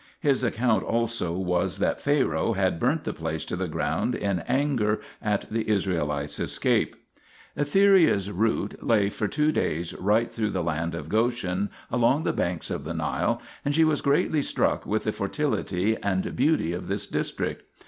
His account also was that Pharaoh had burnt the place to the ground in anger at the Israelites' escape. Etheria's route lay for two days right through the land of Goshen along the banks of the Nile, and she was greatly struck with the fertility and beauty of this district (p.